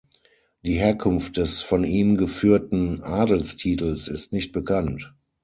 Die Herkunft des von ihm geführten Adelstitels ist nicht bekannt.